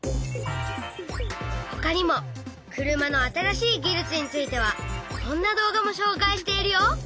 ほかにも車の新しい技術についてはこんな動画もしょうかいしているよ。